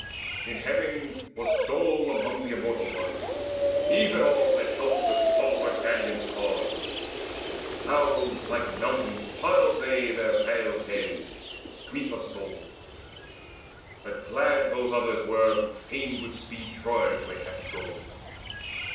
In heaven was dole among the Immortal Ones, Even all that helped the stalwart Danaans' cause. In clouds like mountains piled they veiled their heads For grief of soul. But glad those others were Who fain would speed Troy to a happy goal.